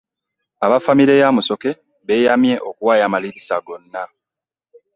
Aba ffamire ya Musoke beeyamye okuwaayo amadirisa gonna